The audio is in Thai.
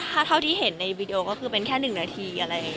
ใช่เพราะเท่าที่เราเห็นในวีดีโอเป็นแค่๑นาที